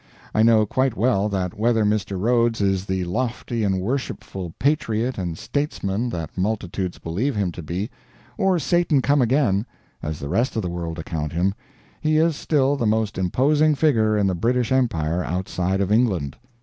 I know quite well that whether Mr. Rhodes is the lofty and worshipful patriot and statesman that multitudes believe him to be, or Satan come again, as the rest of the world account him, he is still the most imposing figure in the British empire outside of England.